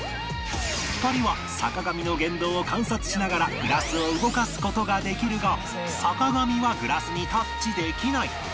２人は坂上の言動を観察しながらグラスを動かす事ができるが坂上はグラスにタッチできない